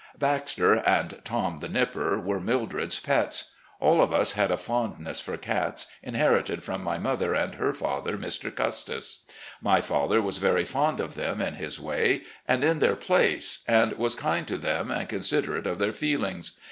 " Baxter" and "Tom, the Nipper" were Mildred's pets. All of us had a fondness for cats, inherited from my mother and her father, Mr. Custis. My father was very fond of them in his way and in their place, and was kind to them and considerate of their feelings.